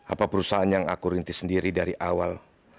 apa perusahaan yang aku rintis sendiri dari awal